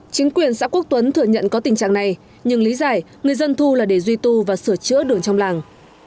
chính quyền xã quốc tuấn thừa nhận có tình trạng này nhưng lý giải người dân thu là để duy tu và sửa chữa đường trong làng